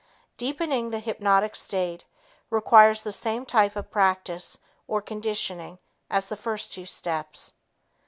Deepening the hypnotic state requires the same type of practice or conditioning as the first two steps.